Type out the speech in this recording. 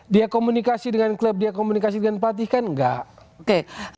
dia komunikasi dengan klub dia komunikasi dengan pelatih kan enggak